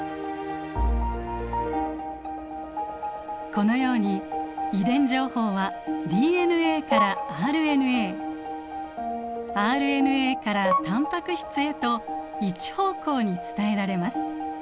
このように遺伝情報はＤＮＡからＲＮＡＲＮＡからタンパク質へと一方向に伝えられます。